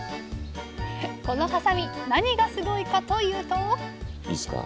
このはさみ何がすごいかというといいっすか。